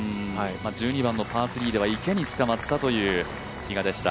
１２番のパー３では池に捕まったという比嘉でした。